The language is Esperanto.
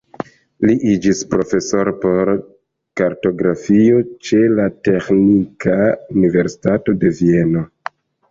Li iĝis profesoro por kartografio ĉe la Teĥnika Universitato de Vieno.